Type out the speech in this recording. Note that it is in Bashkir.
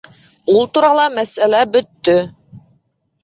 — Ул турала мәсьәлә бөттө.